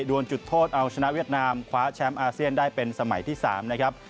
วนจุดโทษเอาชนะเวียดนามคว้าแชมป์อาเซียนได้เป็นสมัยที่๓นะครับ